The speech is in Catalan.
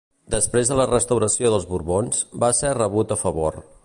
Després de la restauració dels Borbons, va ser rebut a favor.